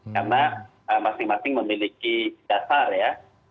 karena masing masing memiliki dasar ya